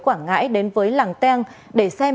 quảng ngãi đến với làng teng để xem